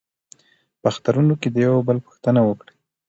په اخترونو کې د یو بل پوښتنه وکړئ.